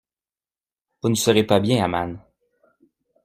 Vous ne serez pas bien amañ.